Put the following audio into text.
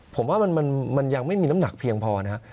ผมว่ามันยังไม่มีน้ำหนักเพียงพอนะครับ